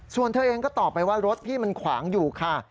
ส่วนเธอเองก็ตอบไปว่ารถพี่มันขวางอยู่ค่ะ